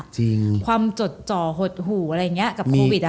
ความจดจ่อหดหู่อะไรอย่างนี้กับโควิดอ่ะ